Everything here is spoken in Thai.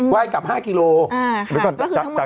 ไหว้กลับ๕กิโลก็คือธมติ๑๕กิโล